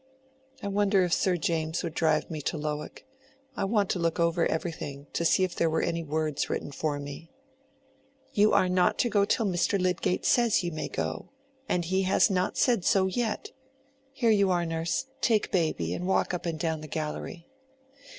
"I wonder if Sir James would drive me to Lowick. I want to look over everything—to see if there were any words written for me." "You are not to go till Mr. Lydgate says you may go. And he has not said so yet (here you are, nurse; take baby and walk up and down the gallery).